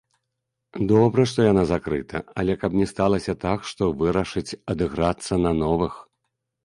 Добра, што яна закрыта, але, каб не сталася так, што вырашаць адыграцца на новых.